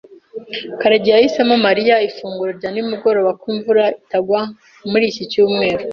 Karegeya yahisemo Mariya ifunguro rya nimugoroba ko imvura itagwa muri iki cyumweru.